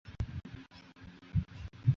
长穗花为野牡丹科长穗花属下的一个种。